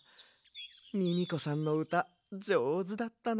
ミミコさんのうたじょうずだったな。